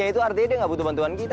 itu artinya dia nggak butuh bantuan kita